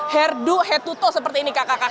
hair do hair to toe seperti ini kakak kakak